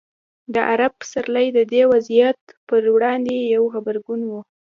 د عرب پسرلی د دې وضعیت پر وړاندې یو غبرګون و.